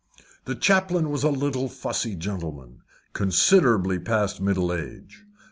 The chaplain was a little fussy gentleman, considerably past middle age.